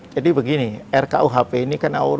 jadi begini rkuhp ini kan